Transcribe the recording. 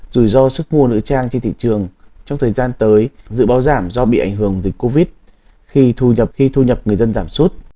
rủi ro sức mua nữ trang trên thị trường trong thời gian tới dự báo giảm do bị ảnh hưởng dịch covid một mươi chín khi thu nhập người dân giảm suất